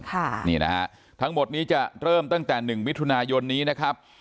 ค่ะนี่นะฮะทั้งหมดนี้จะเริ่มตั้งแต่หนึ่งมิถุนายนนี้นะครับ